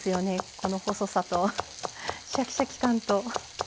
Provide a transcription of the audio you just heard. この細さとシャキシャキ感と。